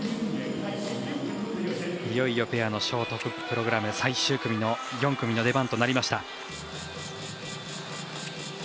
いよいよペアのショートプログラム最終組の４組の出番となりました。